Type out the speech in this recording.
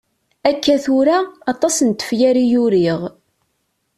Akka tura, aṭas n tefyar i uriɣ.